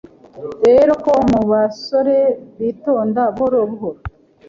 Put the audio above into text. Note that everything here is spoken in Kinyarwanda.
rero ko mubasore bitonda buhoro buhoro